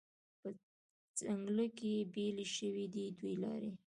په ځنګله کې بیلې شوې دي دوې لارې